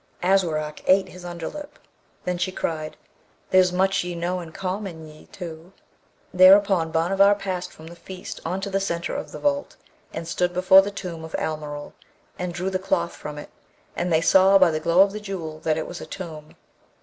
Aswarak ate his under lip. Then she cried, 'There's much ye know in common, ye two.' Thereupon Bhanavar passed from the feast on to the centre of the vault, and stood before the tomb of Almeryl, and drew the cloth from it; and they saw by the glow of the Jewel that it was a tomb.